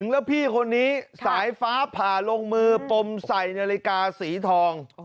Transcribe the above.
แล้วพี่คนนี้สายฟ้าผ่าลงมือปมใส่นาฬิกาสีทอง